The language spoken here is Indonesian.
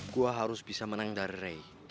gue harus bisa menang dari ray